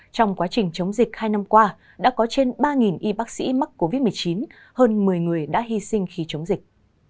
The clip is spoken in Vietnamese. trong quá trình chống dịch hai năm qua đã có trên ba y bác sĩ mắc covid một mươi chín hơn một mươi người đã hy sinh khi chống dịch